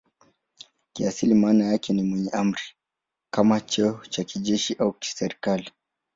Kiasili maana yake ni "mwenye amri" kama cheo cha kijeshi au kiserikali.